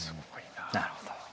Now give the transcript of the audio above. なるほど。